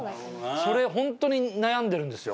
それ本当に悩んでるんですよ。